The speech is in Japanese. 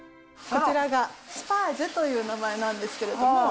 こちらがスパージュという名前なんですけども。